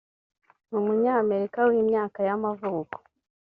Ni umunyamerika w’imyaka y’amavuko